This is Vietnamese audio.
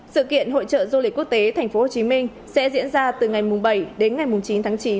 sự kiện hội trợ du lịch quốc tế thành phố hồ chí minh sẽ diễn ra từ ngày bảy đến ngày chín tháng chín